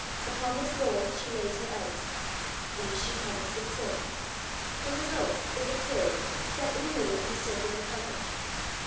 Upon this bowl she lays her eggs. These she covers with silk. The result is a pill set in the middle of a circular carpet.